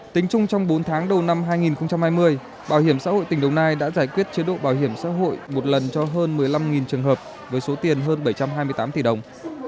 tính chung trong bốn tháng đầu năm hai nghìn hai mươi bảo hiểm xã hội tỉnh đồng nai đã giải quyết chế độ bảo hiểm xã hội một lần cho hơn một mươi năm trường hợp với số tiền hơn bảy trăm hai mươi tám tỷ đồng